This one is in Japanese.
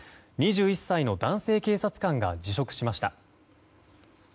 ２１歳の男性警察官が辞職しました。